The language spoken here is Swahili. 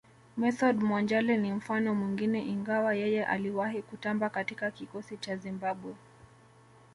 Method Mwanjale ni mfano mwingine ingawa yeye aliwahi kutamba katika kikosi cha Zimbabwe